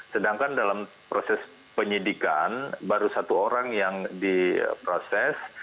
sedangkan dalam proses penyidikan baru satu orang yang diproses